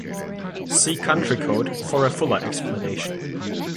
See country code for a fuller explanation.